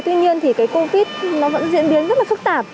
tuy nhiên thì cái covid nó vẫn diễn biến rất là phức tạp